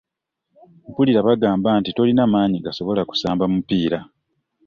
Mpulira bagamba nti tolina manyi gasobola kusamba mupiira.